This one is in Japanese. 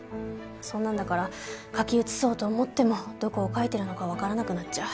そんなんだから書き写そうと思ってもどこを書いてるのかわからなくなっちゃう。